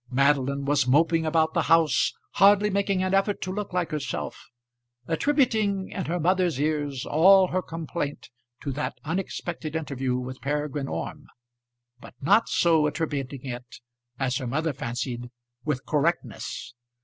Madeline was moping about the house, hardly making an effort to look like herself; attributing, in her mother's ears, all her complaint to that unexpected interview with Peregrine Orme, but not so attributing it as her mother fancied with correctness.